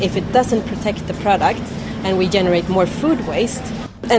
jika tidak melindungi produk dan kita menghasilkan lebih banyak perabotan makanan